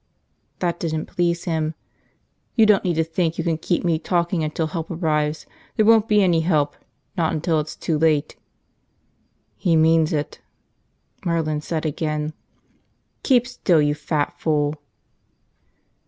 That didn't please him. "You don't need to think you can keep me talking until help arrives. There won't be any help, not until it's too late." "He means it," Merlin said again. "Keep still, you fat fool."